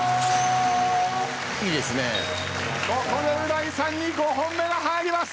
ここでう大さんに５本目が入ります。